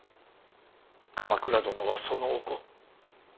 鎌倉殿はそのお子。